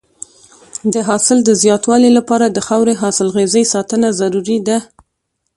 د حاصل د زیاتوالي لپاره د خاورې حاصلخېزۍ ساتنه ضروري ده.